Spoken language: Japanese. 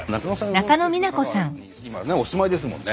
香川に今ねお住まいですもんね。